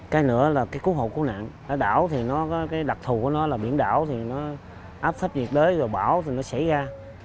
cái nữa là cái cứu hộ cứu nạn ở đảo thì nó có cái đặc thù của nó là biển đảo thì nó áp thấp nhiệt đới rồi bão thì nó xảy ra